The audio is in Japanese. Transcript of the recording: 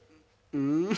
うん？